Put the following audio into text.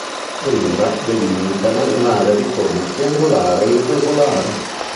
Le mura delimitano un'area di forma triangolare irregolare.